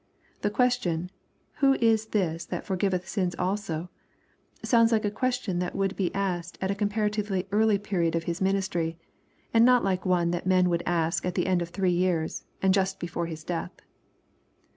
The question, " who is this that forgiveth sins also ?" sounds like a question that would be asked at a comparatively early period of His ministry, and not like one that men would ask at the end of three years, and just before His death.